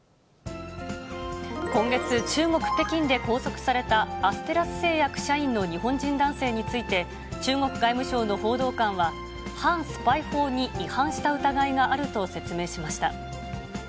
今月、中国・北京で拘束されたアステラス製薬社員の日本人男性について、中国外務省の報道官は、反スパイ法に違反した疑いがあると説明しました。